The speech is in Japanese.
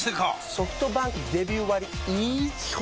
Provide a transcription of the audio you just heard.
ソフトバンクデビュー割イズ基本